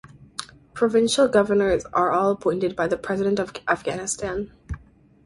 Provincial governors are all appointed by the President of Afghanistan.